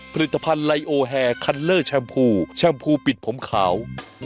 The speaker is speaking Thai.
ผลิตภัณฑ์ไลโอแฮคันเลอร์แชมพูแชมพูปิดผมขาว